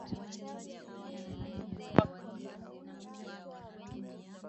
Iran yaamua kusitisha mazungumzo yake ya siri